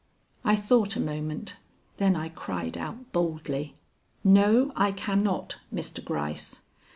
I thought a moment; then I cried out boldly: "No, I cannot, Mr. Gryce.